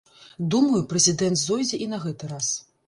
Думаю, прэзідэнт зойдзе і на гэты раз.